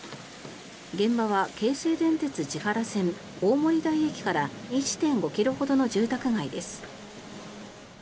現場は京成電鉄千原線大森台駅から１．５ｋｍほどの住宅街です。